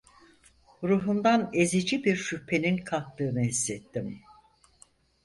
Ruhumdan ezici bir şüphenin kalktığını hissettim.